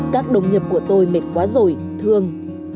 các đồng nghiệp của tôi mệt quá rồi thương